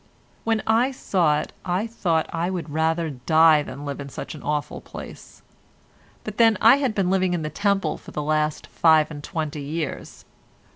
When I saw it, I thought I would rather die than live in such an awful place—but then I had been living in the Temple for the last five and twenty years.